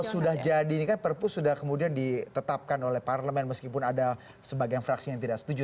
kalau sudah jadi ini kan perpu sudah kemudian ditetapkan oleh parlemen meskipun ada sebagian fraksi yang tidak setuju